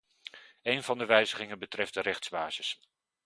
Een van de wijzigingen betreft de rechtsbasis.